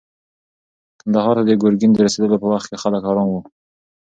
کندهار ته د ګرګین د رسېدلو په وخت کې خلک ارام وو.